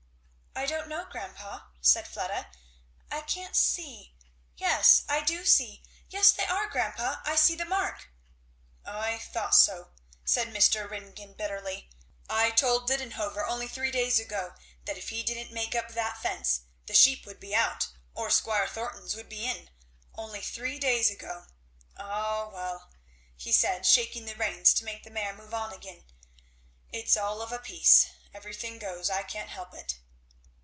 "I don't know, grandpa," said Fleda, "I can't see yes, I do see yes, they are, grandpa; I see the mark." "I thought so!" said Mr. Ringgan bitterly; "I told Didenhover, only three days ago, that if he didn't make up that fence the sheep would be out, or Squire Thornton's would be in; only three days ago! Ah well!" said he, shaking the reins to make the mare move on again, "it's all of a piece. Every thing goes I can't help it."